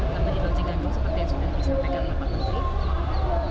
tapi di locik gajung seperti yang sudah disampaikan oleh pak menteri